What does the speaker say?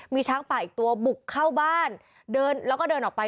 มีช้างป่าอีกตัวบุกเข้าบ้านเดินแล้วก็เดินออกไป